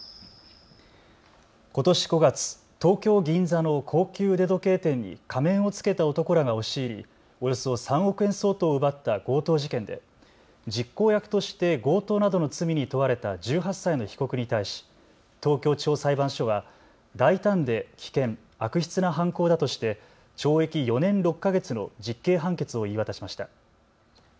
ことし５月、東京銀座の高級腕時計店に仮面を着けた男らが押し入り、およそ３億円相当を奪った強盗事件で実行役として強盗などの罪に問われた１８歳の被告に対し東京地方裁判所は大胆で危険、悪質な犯行だとして懲役４年６か月の実刑判決を言い渡しました。